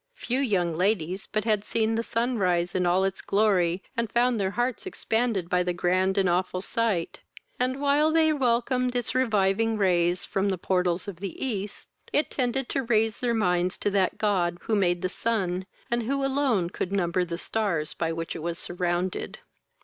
Few young ladies but had seen the sun rise in all its glory, and found their hearts expanded by the grand and awful sight; and, while they welcomed its reviving rays from the portals of the east, it tended to raise their minds to that God who made the sun, and who alone could number the stars by which it was surrounded.